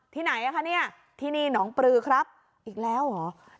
ไหนอ่ะคะเนี่ยที่นี่หนองปลือครับอีกแล้วเหรอ